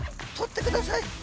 獲ってください！